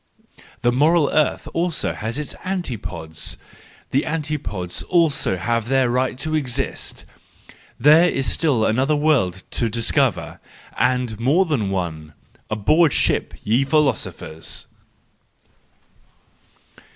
The moral earth also has its antipodes! The anti¬ podes also have their right to exist! there is still another world to discover—and more than one! Aboard ship! ye philosophers